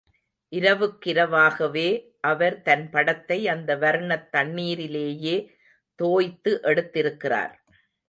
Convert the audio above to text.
இரவுக்கிரவாகவே அவர் தன் படத்தை அந்த வர்ணத் தண்ணீரிலேயே தோய்த்து எடுத்திருக்கிறார்.